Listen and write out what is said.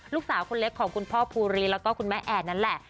ลูกสาวคนเล็กของคุณพ่อภูริแล้วก็คุณแม่แอนนั่นแหละ